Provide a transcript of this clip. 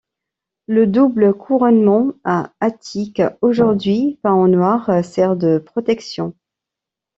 Le double couronnement à attique, aujourd'hui peint en noir, sert de protection.